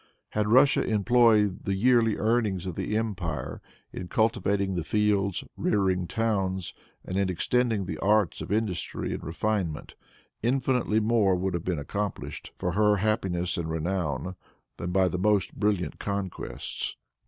Had Russia employed the yearly earnings of the empire in cultivating the fields, rearing towns, and in extending the arts of industry and refinement, infinitely more would have been accomplished for her happiness and renown than by the most brilliant conquests.